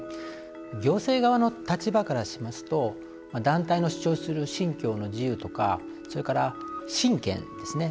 行政側の立場からしますと団体の主張する信教の自由とかそれから、親権ですね。